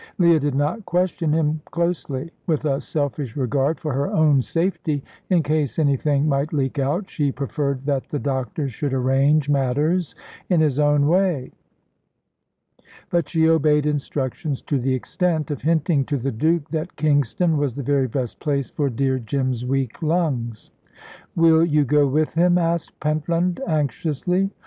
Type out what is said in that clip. Leah did not question him closely. With a selfish regard for her own safety, in case anything might leak out, she preferred that the doctor should arrange matters in his own way. But she obeyed instructions to the extent of hinting to the Duke that Kingston was the very best place for dear Jim's weak lungs. "Will you go with him?" asked Pentland, anxiously.